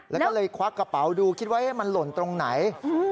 แล้วก็เลยควักกระเป๋าดูคิดว่ามันหล่นตรงไหน